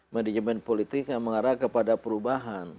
manajemen politik yang mengarah kepada perubahan